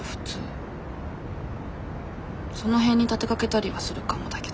その辺に立てかけたりはするかもだけど。